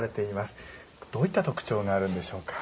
どういった特徴があるんでしょうか？